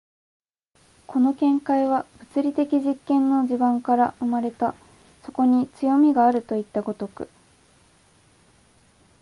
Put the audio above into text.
この見解は物理的実験の地盤から生まれた、そこに強味があるといった如く。